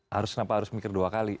harus kenapa harus mikir dua kali